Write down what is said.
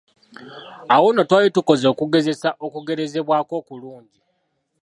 Awo nno twali tukoze okugezesa okugerezebwako okulungi.